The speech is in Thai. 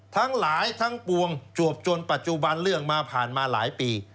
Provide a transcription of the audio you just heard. ทั้งหลายทั้งปวงจวบจนปัจจุบันเรื่องมาผ่านมาหลายปี